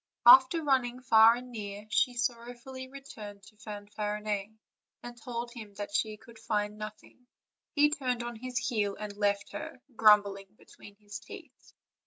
After running far and near she sorrowfully returned to Fanfarinet, and told him that she could find nothing; he turned on his heel and left her, grumbling between his teeth.